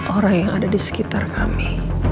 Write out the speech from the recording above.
orang yang ada di sekitar kami